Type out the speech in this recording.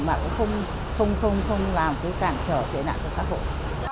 mà cũng không làm cản trở tệ nạn cho xã hội